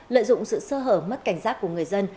lợi dụng sự sơ hở mất cảnh giác của người dân